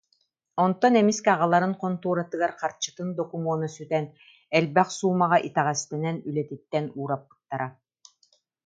Онтон эмискэ аҕаларын хонтуоратыгар харчытын докумуона сүтэн, элбэх суумаҕа итэҕэстэнэн, үлэтиттэн уураппыттара